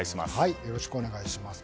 よろしくお願いします。